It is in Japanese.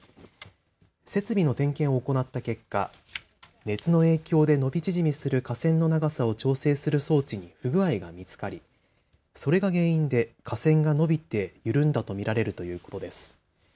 設備の点検を行った結果、熱の影響で伸び縮みする架線の長さを調整する装置に不具合が見つかり、それが原因で架線が伸びて緩んだと見られるということです。